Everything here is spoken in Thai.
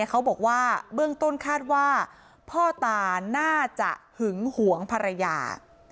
เขาบอกว่าเบื้องต้นคาดว่าพ่อตาน่าจะหึงหวงภรรยา